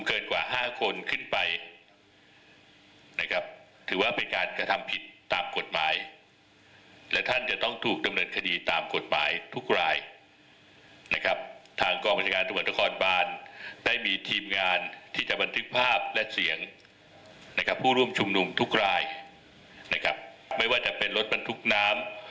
ลดเครื่องขยายเสียงลดบรรทุกอาหารที่มานำส่งผู้ร่วมชุมนุม